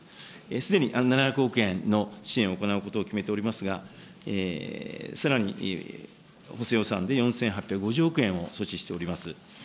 すでに７００億円の支援を行うことを決めておりますが、さらに補正予算で４８５０億円を措置しております。